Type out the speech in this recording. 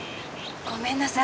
ごめんなさい。